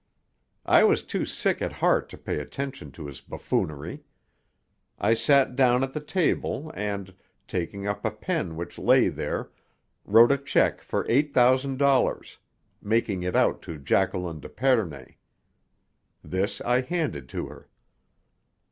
I was too sick at heart to pay attention to his buffoonery. I sat down at the table and, taking up a pen which lay there, wrote a check for eight thousand dollars, making it out to Jacqueline d'Epernay. This I handed to her.